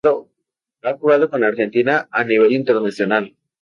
Ha jugado con Argentina a nivel internacional.